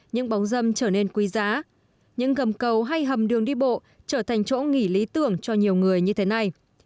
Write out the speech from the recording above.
những bóng dâm trở nên quý giá những gầm cầu hay hầm đường đi bộ trở thành chỗ nghỉ lý tưởng cho nhiều người như thế này